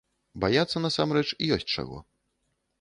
Баяцца, насамрэч, ёсць чаго.